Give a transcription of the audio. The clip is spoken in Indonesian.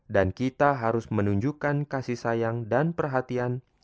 dan kita harus menunjukkan kasih sayang dan perhatian